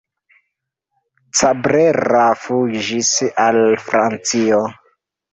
Cabrera fuĝis al Francio.